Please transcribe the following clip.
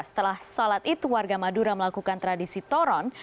setelah sholat itu warga madura melakukan tradisi toron